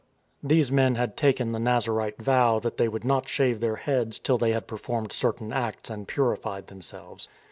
These men had taken the Nazarite vow that they would not shave their heads till they had performed certain acts and purified themselves.